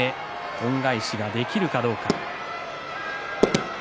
恩返しができるかどうか。